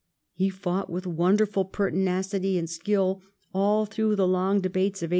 He fought with wonderful pertinacity and skill all through the long debates of 1867.